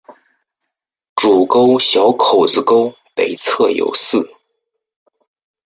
主沟小口子沟北侧有寺。